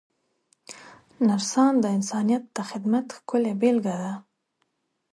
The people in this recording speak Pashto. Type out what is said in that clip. نرسان د انسانیت د خدمت ښکلې بېلګه ده.